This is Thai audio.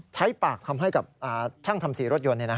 ใช้ปากทำให้กับช่างทำสีรถยนต์